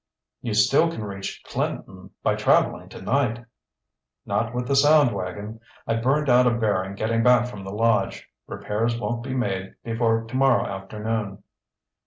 "You still can reach Clinton by traveling tonight." "Not with the sound wagon. I burned out a bearing getting back from the lodge. Repairs won't be made before tomorrow afternoon."